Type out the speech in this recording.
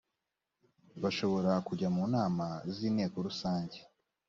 bashobora kujya mu nama z inteko rusange